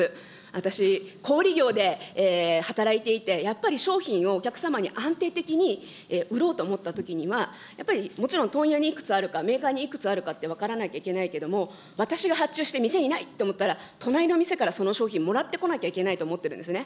私、小売り業で働いていて、やっぱり商品をお客様に安定的に売ろうと思ったときには、やっぱりもちろん問屋にいくつあるか、メーカーにいくつあるかって分からなきゃいけないけれども、私が発注して店にないと思ったら、隣の店からその商品もらってこなきゃいけないと思ってるんですね。